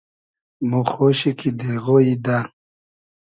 مۉ خۉشی کی دېغۉیی دۂ